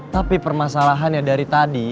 tapi permasalahan ya dari tadi